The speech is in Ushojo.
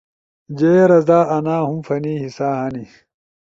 جے رزا، انا ہُم فنی حصہ ہنی۔